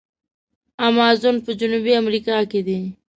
امازون په جنوبي امریکا کې دی.